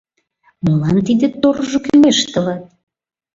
— Молан тиде торжо кӱлеш тылат?